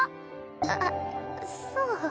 あっそう。